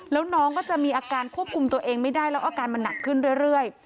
แล้วน้องก็จะมีอาการควบคุมตัวเองไม่ได้แล้วอาการมันหนักขึ้นเรื่อย